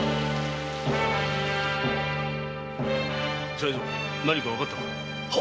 才三何かわかったか？